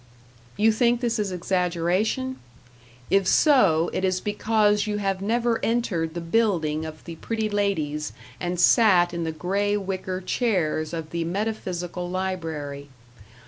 You think this is exaggeration? If so, it is because you have never entered the building of the pretty ladies, and sat in the gray wicker chairs of the metaphysical library.